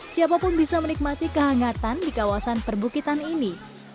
siapapun bisa menikmati kehangatan di kawasan perbukitan ini